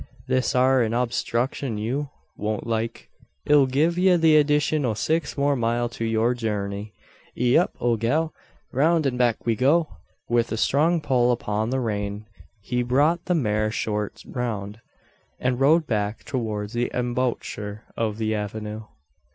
This air an obstruckshun you, won't like. It'll gi'e ye the edition o' six more mile to yur journey. Ee up, ole gal! Roun' an back we go!" With a strong pull upon the rein, he brought the mare short round, and rode back towards the embouchure of the avenue.